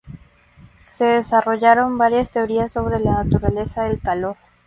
Se desarrollaron varias teorías sobre la naturaleza del calor.